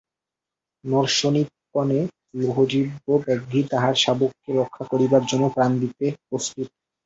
নরশোণিতপানে লোলজিহ্ব ব্যাঘ্রী তাহার শাবককে রক্ষা করিবার জন্য প্রাণ দিতে প্রস্তুত।